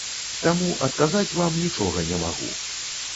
Таму адказаць вам нічога не магу.